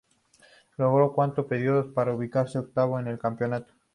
Logró cuatro podios para ubicarse octavo en el campeonato.